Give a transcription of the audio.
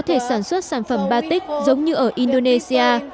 có thể sản xuất sản phẩm batic giống như ở indonesia